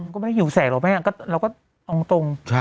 ก็ไม่ได้หิวแสกหรอกไหมเราก็อองตรง